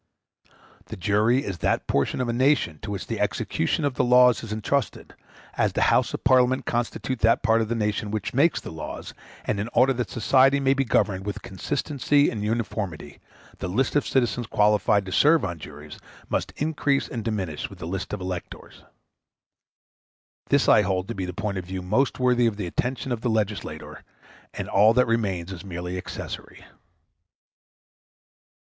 The jury is that portion of the nation to which the execution of the laws is entrusted, as the Houses of Parliament constitute that part of the nation which makes the laws; and in order that society may be governed with consistency and uniformity, the list of citizens qualified to serve on juries must increase and diminish with the list of electors. This I hold to be the point of view most worthy of the attention of the legislator, and all that remains is merely accessory.